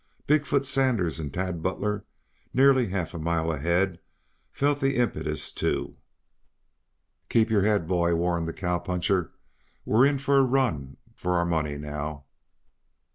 Big foot Sanders and Tad Butler, nearly half a mile ahead, felt the impetus, too. "Keep your head, boy," warned the cowpuncher. "We are in for a run for our money, now."